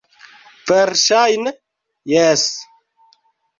Verŝajne, jes...